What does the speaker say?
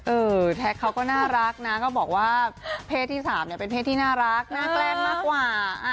แท็กเขาก็น่ารักนะก็บอกว่าเพศที่๓เนี่ยเป็นเพศที่น่ารักน่าแกล้งมากกว่า